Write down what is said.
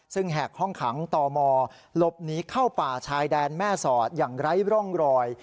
ซึ่งแหกห้องขังตมหลบหนีเข้าป่าชายแดนแม่สอดอย่างไร้ร่องรอย